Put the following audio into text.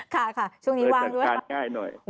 ค่ะช่วงนี้ว่างมากบอกว่ากลางกลางง่ายหน่อย